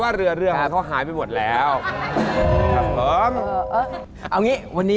อ่าหมดทุกอย่าง